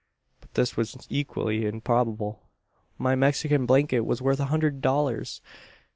But this was equally improbable. My Mexican blanket was worth a hundred dollars.